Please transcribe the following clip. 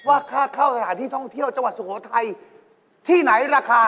โอเคก็ได้เลยไป